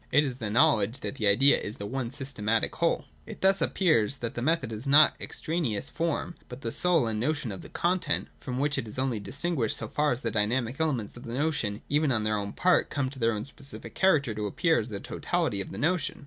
It is the knowledge that the idea is the one systematic whole. 243.] It thus appears that the method is not an ex traneous form, but the soul and notion of the content, from which it is only distinguished, so far as the dynamic elements of the notion even on their own part come in their own specific character to appear as the totality of the notion.